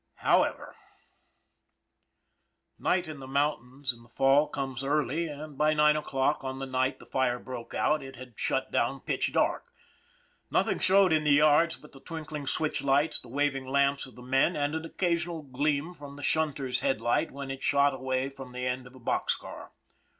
However Night in the mountains in the Fall comes early, and by nine o'clock on the night the fire broke out it had shut down pitch dark. Nothing showed in the yards but the twinkling switch lights, the waving lamps of the men, and an occasional gleam from the shunter's headlight when it shot away from the end of a box car.